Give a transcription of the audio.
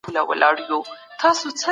هغه د ښځو او ماشومانو د حقونو ملاتړ وکړ.